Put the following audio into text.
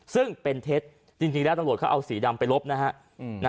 ซึ่งเป็นเท็จจริงแล้วตำรวจเขาเอาสีดำไปลบนะฮะ